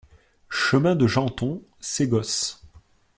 Chemin de Jeanton, Ségos